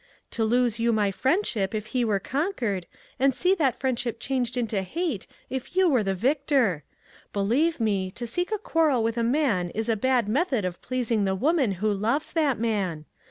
To lose you my friendship if he were conquered, and see that friendship changed into hate if you were victor. Believe me, to seek a quarrel with a man is a bad method of pleasing the woman who loves that man.